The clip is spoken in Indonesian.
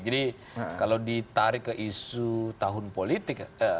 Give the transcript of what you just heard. jadi kalau ditarik ke isu tahun politik